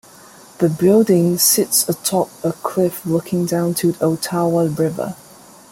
The building sits atop a cliff looking down to the Ottawa River.